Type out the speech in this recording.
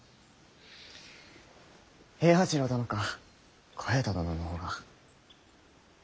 平八郎殿か小平太殿の方が。